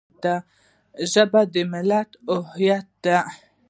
ژبه د ملت هویت دی